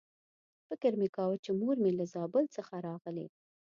فکر مې کاوه چې مور مې له زابل څخه راغلې.